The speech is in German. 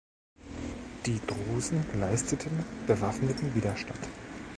Die Drusen leisteten bewaffneten Widerstand.